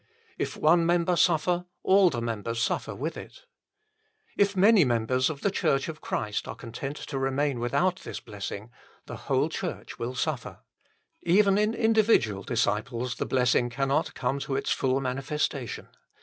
" If one member suffer, all the members suffer with it." l If many members of the Church of Christ are content to remain without this blessing, the whole Church will suffer. Even in individual disciples the blessing cannot come to its full manifestation.